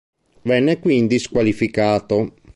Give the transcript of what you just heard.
Venne quindi squalificato.